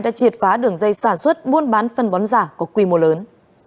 đã triệt phá đường dây sản xuất buôn bán phân bón giả có quy mô lớn